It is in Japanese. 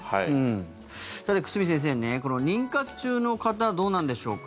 さて、久住先生妊活中の方どうなんでしょうか。